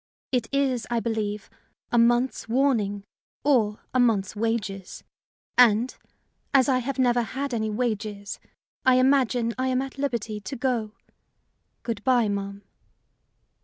It is, I believe, a month's warning or a month's wages; and, as I have never had any wages, I imagine I am at liberty to go. Good by, ma'am."